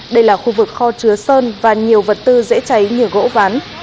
đây là khu vực kho chứa sơn và nhiều vật tư dễ cháy như gỗ ván